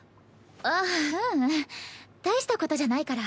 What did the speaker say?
あっううん大したことじゃないから。